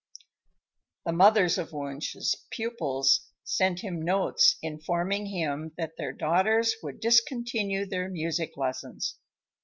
The mothers of Wunsch's pupils sent him notes informing him that their daughters would discontinue their music lessons.